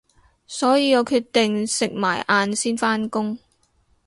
所以我決定食埋晏先返工